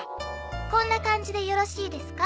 こんな感じでよろしいですか？